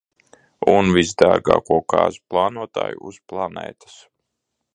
Un visdārgāko kāzu plānotāju uz planētas.